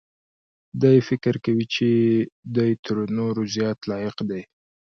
دی فکر کوي چې دی تر نورو زیات لایق دی.